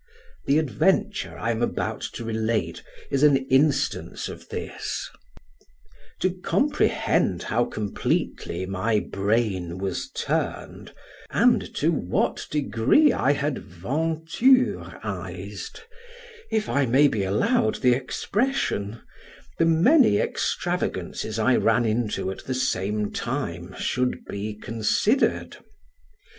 The adventure I am about to relate is an instance of this: to comprehend how completely my brain was turned, and to what degree I had 'Venturised' (if I may be allowed the expression), the many extravagances I ran into at the same time should be considered.